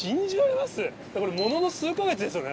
ものの数か月ですよね？